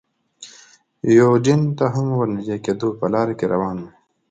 یوډین ته هم ور نږدې کېدو، په لاره کې روان و.